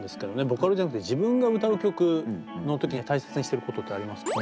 ボカロじゃなくて自分が歌う曲の時に大切にしていることってありますか？